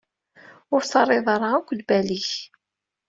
Ur terriḍ ara akk lbal-ik.